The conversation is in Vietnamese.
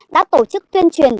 đã tổ chức tuyên truyền